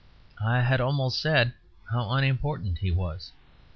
I had almost said how unimportant he was.